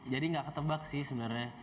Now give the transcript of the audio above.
jadi gak ketebak sih sebenernya